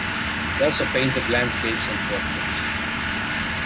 He also painted landscapes and portraits.